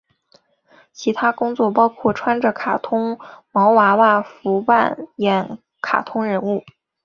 其他工作包括穿着卡通毛娃娃服扮演卡通人物。